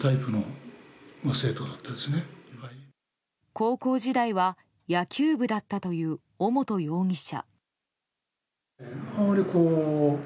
高校時代は野球部だったという尾本容疑者。